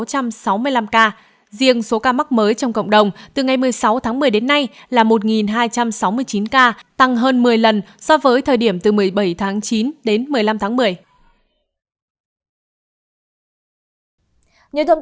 riêng số ca mắc mới trong cộng đồng từ ngày một mươi sáu tháng một mươi đến nay là một hai trăm sáu mươi chín ca tăng hơn một mươi lần so với thời điểm từ một mươi bảy tháng chín đến một mươi năm tháng một mươi